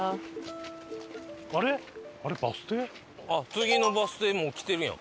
次のバス停もう来てるやん。